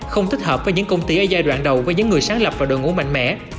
không thích hợp với những công ty ở giai đoạn đầu với những người sáng lập và đội ngũ mạnh mẽ